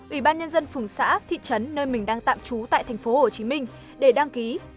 ủy ban nhân dân phường xã thị trấn nơi mình đang tạm trú tại tp hcm để đăng ký